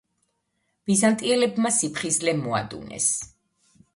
ბიზანტიელებმა სიფხიზლე მოადუნეს.